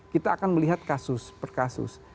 kita akan melihat kasus per kasus